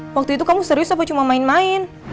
waktu itu kamu serius apa cuma main main